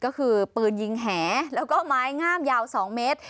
ก็คือปืนยิงแหแล้วก็ไม้งามยาว๒เมตร